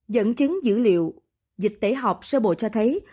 dẫn chứng dữ liệu dịch tễ họp sơ bộ cho thấy